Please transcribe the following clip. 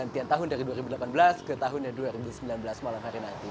tahunnya dua ribu sembilan belas malam hari nanti